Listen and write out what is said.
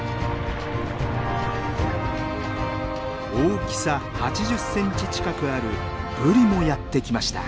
大きさ８０センチ近くあるブリもやって来ました。